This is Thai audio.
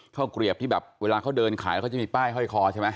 เกลียบที่แบบเวลาเขาเดินขายแล้วเขาจะมีป้ายห้อยคอใช่ไหม